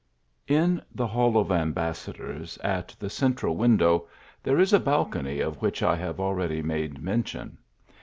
IN the Hall of Ambassadors, at the central win 1 dow, there is a balcony of which I have already made mention.